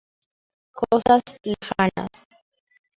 Cosas lejanas.